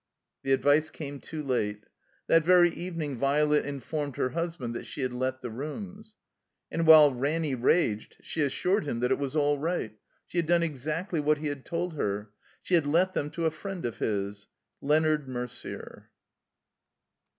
The advice came too late. That very evening i8s THE COMBINED MAZE Violet informed her husband that she had let the rooms. And while Ranny raged she assured him that it was all right. She had done exactly what he had told her. She had let them to a friend of his— Leonard Merder.